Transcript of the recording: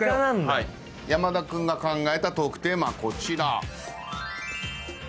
山田君が考えたトークテーマこちら。